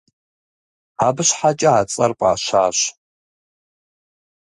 Абы щхьэкӀэ а цӀэр фӀащащ.